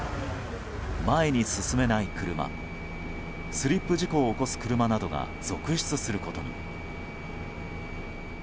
前に進めない車スリップ事故を起こす車などが続出することに。